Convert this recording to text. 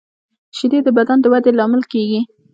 شیدې د بدن د ودې لامل کېږي